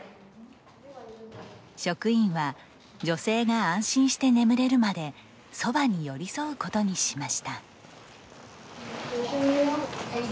職員は女性が安心して眠れるまでそばに寄り添うことにしました。